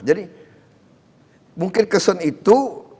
jadi mungkin kesen itu